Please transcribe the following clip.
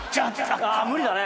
無理だね。